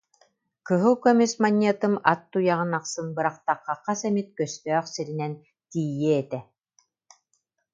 «Кыһыл көмүс манньыатым ат туйаҕын ахсын бырахтахха хас эмит көстөөх сиринэн тиийиэ этэ»